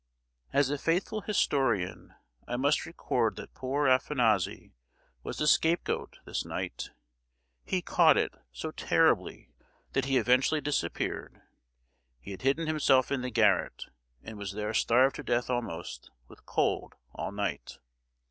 As a faithful historian, I must record that poor Afanassy was the scapegoat this night; he "caught it" so terribly that he eventually disappeared; he had hidden himself in the garret, and was there starved to death almost, with cold, all night.